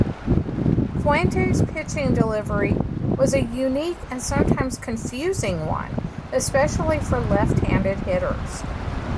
Fuentes' pitching delivery was a unique and sometimes confusing one, especially for left-handed hitters.